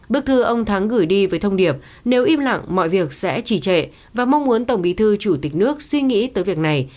bức thư ông thắng gửi đi với thông điệp nếu im lặng mọi việc sẽ chỉ trệ và mong muốn tổng bí thư chủ tịch nước suy nghĩ tới việc này